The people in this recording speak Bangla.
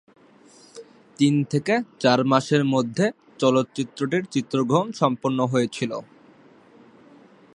তিন থেকে চার মাসের মধ্যে চলচ্চিত্রটির চিত্রগ্রহণ সম্পন্ন হয়েছিল।